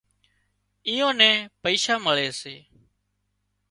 اين ايئان نين پئيشا مۯي سي